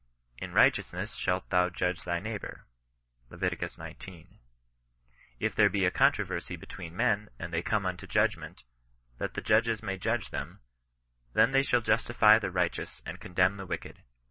In righteousness shalt thou judge thy neigh bour." Lev. xix. " If there be a controversy between " men, and they come unto judgment, that the judges may judge them ; then they shsdl justify the righteous and condemn the wicked.